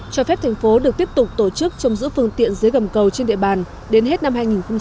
cho phép thành phố được tiếp tục tổ chức trông giữ phương tiện dưới gầm cầu trên địa bàn đến hết năm hai nghìn hai mươi